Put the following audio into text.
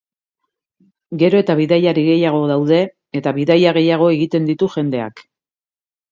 Gero eta bidaiari gehiago eta bidaia gehiago egiten ditu jendeak.